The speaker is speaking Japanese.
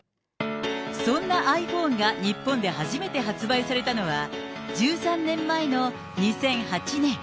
そんなｉＰｈｏｎｅが日本で初めて発売されたのは、１３年前の２００８年。